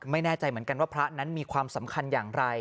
ไม่แน่ใจเหมือนกันว่าพระนั้นมีความสำคัญอย่างไร